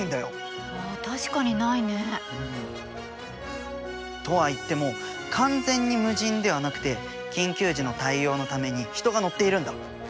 あっ確かにないね！とはいっても完全に無人ではなくて緊急時の対応のために人が乗っているんだ。